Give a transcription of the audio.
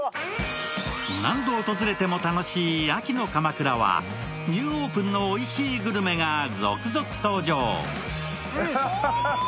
何度訪れても楽しい秋の鎌倉はニューオープンのおいしいグルメが続々登場。